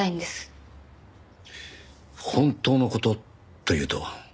本当の事というと？